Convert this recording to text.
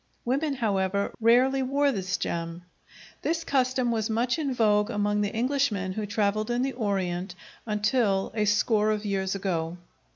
Women, however, rarely wore this gem. This custom was much in vogue among the Englishmen who travelled in the Orient, until a score of years ago.